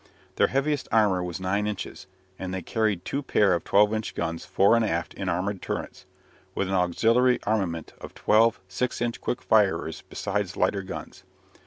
Their heaviest armour was nine inches, and they carried two pair of 12 inch guns fore and aft in armoured turrets, with an auxiliary armament of twelve 6 inch quick firers besides lighter guns.